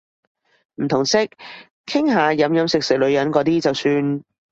唔同色，傾下飲飲食食女人嗰啲就算